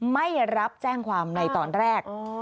ไม่รับแจ้งความในตอนแรก